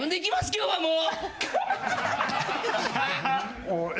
今日はもう！